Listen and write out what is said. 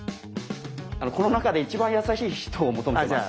この中で一番優しい人を求めてます。